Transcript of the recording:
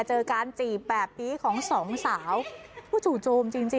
เจอการจีบแบบนี้ของสองสาวผู้จู่โจมจริงจริง